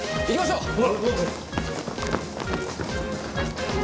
行きましょう。